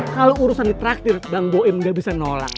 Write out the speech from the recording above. kalau urusan di traktir bang boim gak bisa nolak